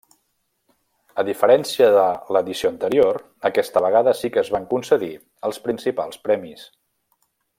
A diferència de l'edició anterior, aquesta vegada sí que es van concedir els principals premis.